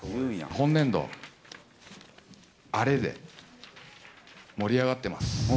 今年度はアレで盛り上がってます。